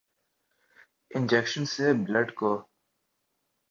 injection سے blood کو